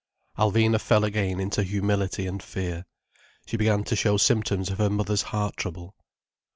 Alvina fell again into humility and fear: she began to show symptoms of her mother's heart trouble.